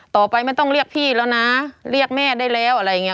ต่อไปไม่ต้องเรียกพี่แล้วนะเรียกแม่ได้แล้วอะไรอย่างนี้